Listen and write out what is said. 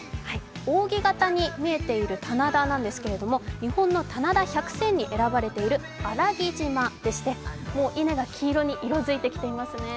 扇形に見えている棚田なんですけれども日本の棚田百選に選ばれているあらぎ島でして、稲が黄色に色づいてきていますね。